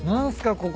ここ。